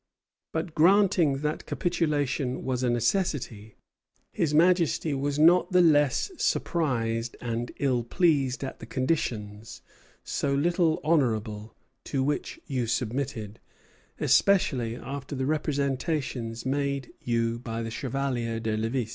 But, granting that capitulation was a necessity, his Majesty was not the less surprised and ill pleased at the conditions, so little honorable, to which you submitted, especially after the representations made you by the Chevalier de Lévis."